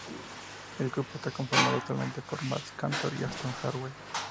El grupo está conformado actualmente por Matt Cantor y Aston Harvey.